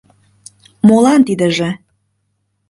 Молан тидыже?